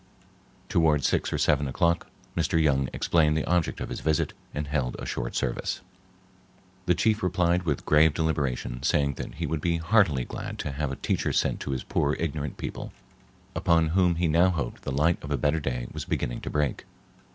Toward six or seven o'clock Mr. Young explained the object of his visit and held a short service. The chief replied with grave deliberation, saying that he would be heartily glad to have a teacher sent to his poor ignorant people, upon whom he now hoped the light of a better day was beginning to break.